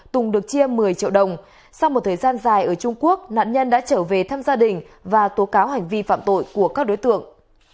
tùng được chia một mươi triệu đồng sau một thời gian dài ở trung quốc nạn nhân đã trở về thăm gia đình và tố cáo hành vi phạm tội của các đối tượng